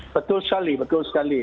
betul sekali betul sekali